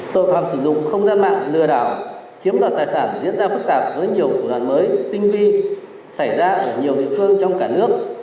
tội phạm sử dụng không gian mạng lừa đảo chiếm đoạt tài sản diễn ra phức tạp với nhiều thủ đoạn mới tinh vi xảy ra ở nhiều địa phương trong cả nước